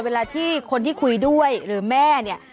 เวลาที่คนที่คุยด้วยหรือแม่เนี่ย